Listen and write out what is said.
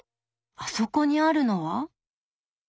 あそこにあるのは？